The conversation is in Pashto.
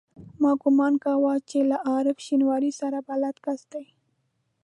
ما ګومان کاوه چې له عارف شینواري سره بلد کس دی.